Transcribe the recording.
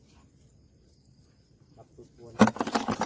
รับสุดพวง